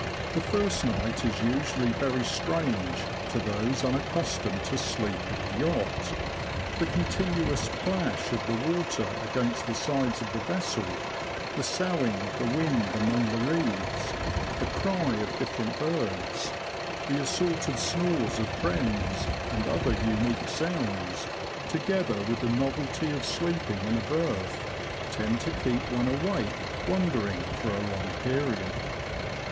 The first night is usually very strange to those unaccustomed to sleep in a yacht — the continuous plash of the water against the sides of the vessel, the soughing of the wind among the reeds, the cry of different birds, the assorted snores of friends, and other unique sounds, together with the novelty of sleeping in a berth, tend to keep one awake wondering for a long period.